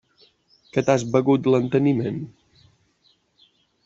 Que t'has begut l'enteniment?